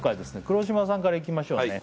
黒島さんからいきましょうね